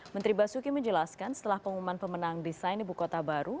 menteri basuki menjelaskan setelah pengumuman pemenang desain ibu kota baru